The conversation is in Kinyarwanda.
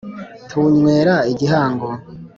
Tuwunywera igihango